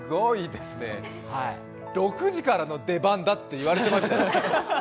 ６時からの出番だって言われてましたよね？